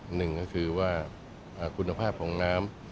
หนึ่งก็คือว่าคุณภาพของน้ำ